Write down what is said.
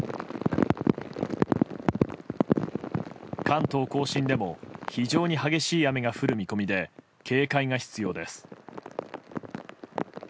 関東・甲信でも非常に激しい雨が降る見込みで警戒が必要です。